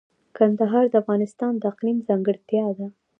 کندهار د افغانستان د اقلیم ځانګړتیا ده.